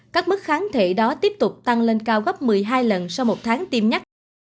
các mức kháng thể đó tiếp tục tăng lên cao gấp một mươi hai lần sau một tháng tiêm nhắc